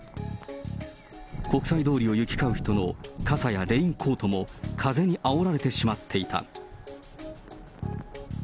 国際通りを行き交う人の傘やレインコートも風にあおられてしまっていた。